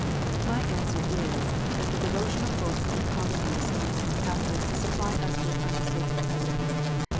My answer is, that the devotional books in common use among Roman Catholics supply us with unmistakable evidence.